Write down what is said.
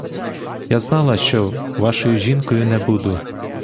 Я знала, що вашою жінкою не буду.